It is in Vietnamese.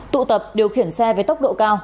tụ tập điều khiển xe với tốc độ cao